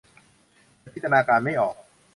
ฉันจินตนาการไม่ออก